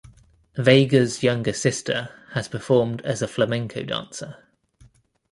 Vega's younger sister has performed as a flamenco dancer.